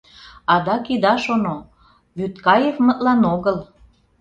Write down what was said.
адак ида шоно: Вӱдкаевмытлан огыл